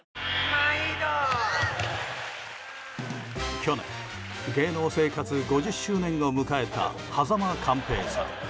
去年、芸能生活５０周年を迎えた間寛平さん。